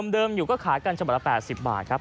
เดิมอยู่ก็ขายกันฉบับละ๘๐บาทครับ